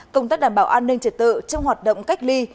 công tác đảm bảo an ninh trật tự trong hoạt động cách ly